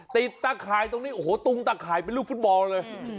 ตะข่ายตรงนี้โอ้โหตุงตะข่ายเป็นลูกฟุตบอลเลย